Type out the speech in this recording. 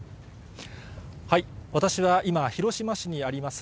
私は今、広島市にあります